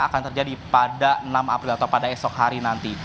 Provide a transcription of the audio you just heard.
akan terjadi pada enam april atau pada esok hari nanti